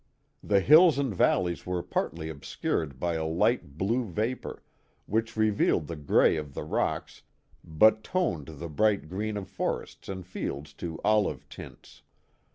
The hills and valleys were partly ob scured by a light blue vapor, which revealed the gray of the rocks but toned the bright green of forests and fields to olive tints.